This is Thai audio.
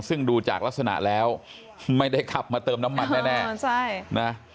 ซึ่งดูจากลักษณะแล้วไม่ได้ขับมาเติมน้ำมันแน่นะ